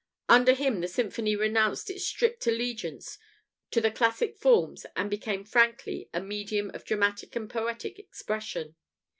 Under him the symphony renounced its strict allegiance to the classic forms and became frankly a medium of dramatic and poetic expression.